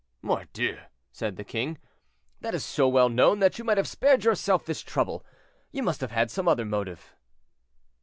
"Mordieu!" said the king, "that is so well known that you might have spared yourself this trouble. You must have had some other motive."